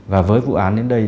và với vụ án đến đây